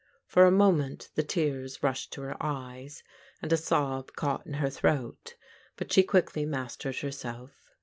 For a moment the tears rushed to her eyes, and a sob caught in her throat, but she quickly mas tered herself.